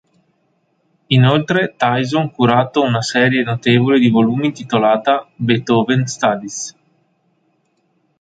Inoltre, Tyson curato una serie notevole di volumi intitolata Beethoven Studies.